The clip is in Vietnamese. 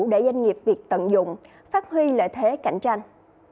để doanh nghiệp việt tận dụng phát huy lợi thế cạnh tranh